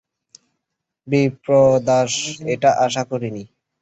বিপ্রদাস এটা আশা করে নি।